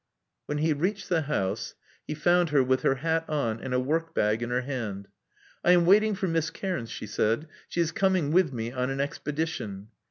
When he reached the house he found her with her hat on and a workbag in her hand. I am waiting for Miss Cairns," she said. She is coming with me on an expedition.